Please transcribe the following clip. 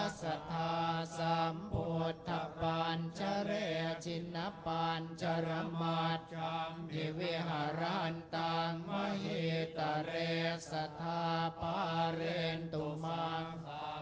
นสัทธาสัมพุทธภาญชะเรจินปัญชะระมัดชะมผิวิหรันตาหมะหิตาเรจิสัทธาเผาอาเรนตุมาคร